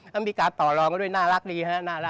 ก็มีการต่อรองด้วยน่ารักดี